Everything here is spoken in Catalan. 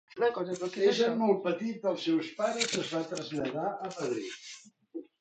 Essent molt petita els seus pares es van traslladar a Madrid.